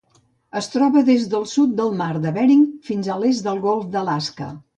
Es troba des del sud del mar de Bering fins a l'est del Golf d'Alaska.